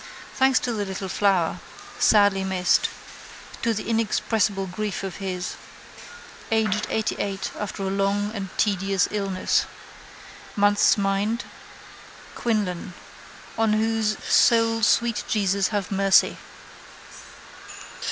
Thanks to the Little Flower. Sadly missed. To the inexpressible grief of his. Aged 88 after a long and tedious illness. Month's mind: Quinlan. On whose soul Sweet Jesus have mercy.